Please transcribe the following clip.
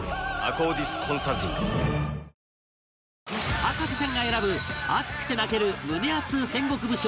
博士ちゃんが選ぶ熱くて泣ける胸アツ戦国武将